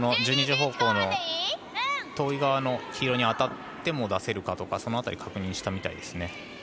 １２時方向の遠い側の黄色に当たっても出せるかとかその辺りを確認したみたいです。